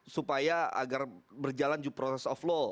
supaya agar berjalan due process of law